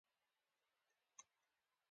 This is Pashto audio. ځینې موبایلونه ضد اوبو وي.